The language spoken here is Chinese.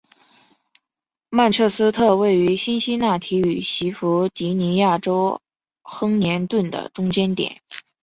曼彻斯特位于辛辛那提与西弗吉尼亚州亨廷顿的中间点。